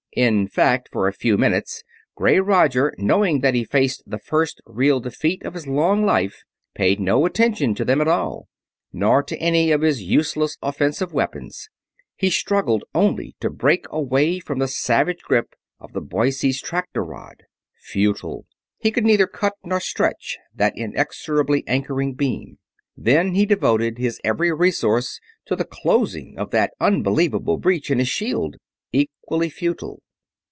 In fact, for a few minutes gray Roger, knowing that he faced the first real defeat of his long life, paid no attention to them at all, nor to any of his useless offensive weapons: he struggled only to break away from the savage grip of the Boise's tractor rod. Futile. He could neither cut nor stretch that inexorably anchoring beam. Then he devoted his every resource to the closing of that unbelievable breach in his shield. Equally futile.